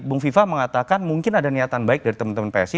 bung viva mengatakan mungkin ada niatan baik dari teman teman psi